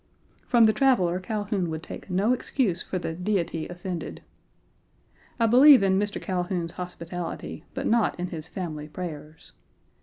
From the traveler Calhoun would take no excuse for the "Deity offended." I believe in Mr. Calhoun's hospitality, but not in his family prayers.